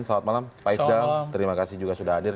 selamat malam pak ifdal terima kasih juga sudah hadir